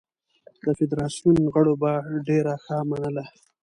د فدراسیون غړو به ډېره ښه منله.